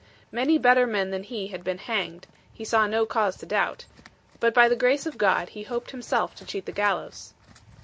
Many better men than he had been hanged, he saw no cause to doubt; but by the grace of God he hoped himself to cheat the gallows.